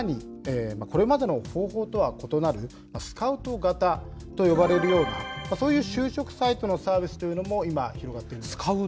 さらに、これまでの方法とは異なるスカウト型と呼ばれるような、そういう就職サイトのサービスというのも、今、広がっているんです。